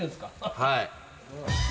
はい。